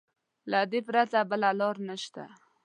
له دې پرته بله لاره نشته.